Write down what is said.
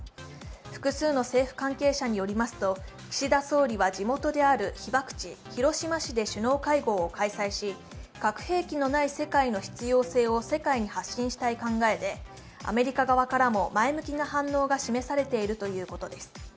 複数の政府関係者によりますと岸田総理は地元である被爆地・広島市で首脳会合を開催し核兵器のない世界の必要性を世界に発信したい考えで、アメリカ側からも前向きな反応が示されているということです。